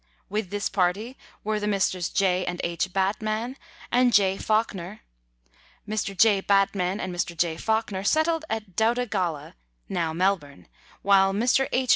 With this party were the Messrs. J. and H. Batman and J. Fawkner. Mr. J. Batman and Mr. J. Fawkner settled at Doutta Galla (now Melbourne), while Mr. H.